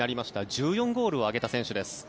１４ゴールを挙げた選手です。